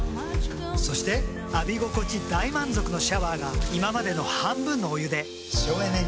そして浴び心地大満足のシャワーが今までの半分のお湯で省エネに。